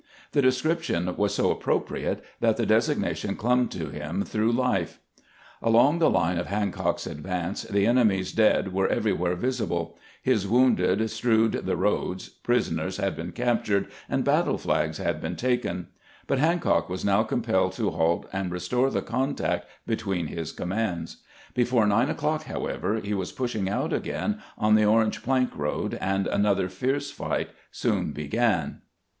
The description was so ap propriate that the designation clung to him through life. Along the line of Hancock's advance the enemy's dead were everywhere visible; his wounded strewed the roads ; prisoners had been captured, and battle flags had been taken : but Hancock was now compelled to halt and restore the contact between his commands. Before nine o'clock, however, he was pushing out again *on the Orange plank road, and another fierce fight soon began.